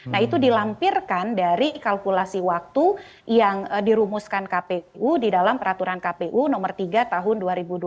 nah itu dilampirkan dari kalkulasi waktu yang dirumuskan kpu di dalam peraturan kpu nomor tiga tahun dua ribu dua puluh